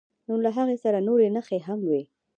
نو له هغې سره نورې نښې هم وي.